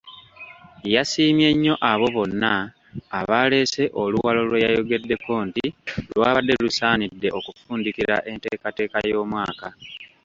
Yasiimye nnyo abo bonna abaaleese oluwalo lwe yayogeddeko nti lwabadde lusaanidde okufundikira enteekateeka y'omwaka.